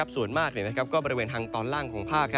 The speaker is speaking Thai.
ส่วนมากก็บริเวณทางตอนล่างของภาค